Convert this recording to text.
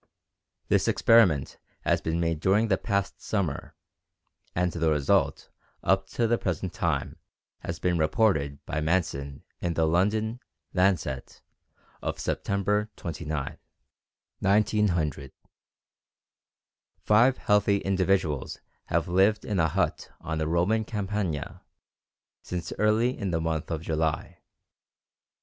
This experiment has been made during the past summer, and the result up to the present time has been reported by Manson in the London Lancet of September 29, 1900. Five healthy individuals have lived in a hut on the Roman Campagna since early in the month of July.